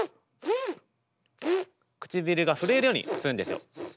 唇が震えるように吸うんですよ。